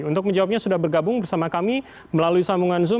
untuk menjawabnya sudah bergabung bersama kami melalui sambungan zoom